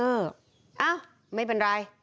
เอ้าไม่เป็นไร